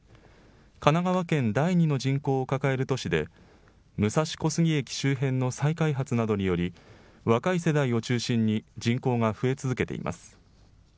神奈川県第２の人口を抱える都市で、武蔵小杉駅周辺の再開発などにより、若い世代を中心に人口が増え続けています。